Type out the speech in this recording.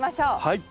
はい。